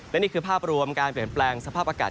และนี่คือภาพรวมการเปลี่ยนแปลงสภาพอากาศ